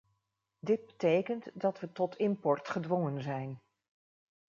Dit betekent dat we tot import gedwongen zijn.